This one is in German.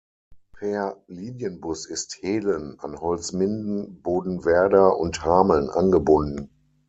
Per Linienbus ist Hehlen an Holzminden, Bodenwerder und Hameln angebunden.